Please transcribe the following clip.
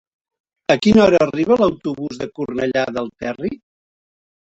A quina hora arriba l'autobús de Cornellà del Terri?